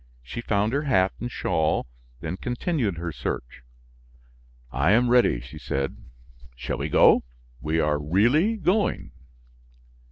She found her hat and shawl, then continued her search. "I am ready," she said; "shall we go? We are really going?"